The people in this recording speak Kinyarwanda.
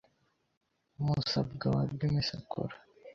Musabwa wa Rwimisakura